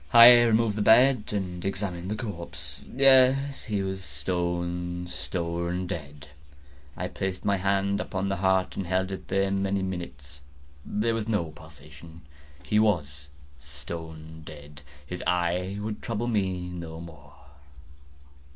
I removed the bed and examined the corpse. Yes, he was stone, stone dead. I placed my hand upon the heart and held it there many minutes. There was no pulsation. He was stone dead. His eye would trouble me no more.